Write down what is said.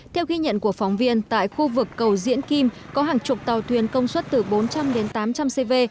theo ghi nhận của phóng viên tại khu vực cầu diễn kim có hàng chục tàu thuyền công suất từ bốn trăm linh đến tám trăm linh cv